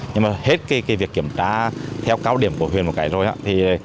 nhưng mà hết cái việc kiểm tra theo cao điểm của huyền một cái rồi